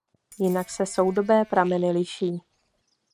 Jinak se soudobé prameny liší.